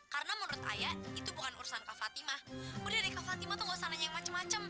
karena menurut ayah itu bukan urusan ke fatimah udah dikatakan itu nggak usah nanya macem macem